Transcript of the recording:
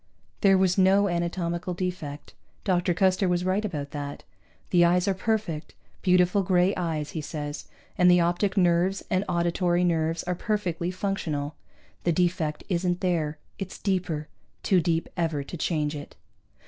There was no anatomical defect Dr. Custer was right about that. The eyes are perfect, beautiful gray eyes, he says, and the optic nerves and auditory nerves are perfectly functional. The defect isn't there. It's deeper. Too deep ever to change it.